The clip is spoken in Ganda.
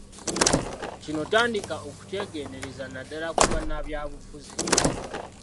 Kino tandika okukyegendereza naddala ku bannabyabufuzi.